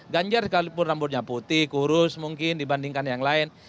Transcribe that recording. ganjar sekalipun rambutnya putih kurus mungkin dibandingkan yang lain